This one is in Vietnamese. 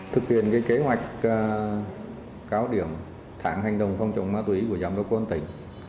thực hiện kế hoạch cáo điểm thẳng hành động phong trọng ma túy của giám đốc quân tỉnh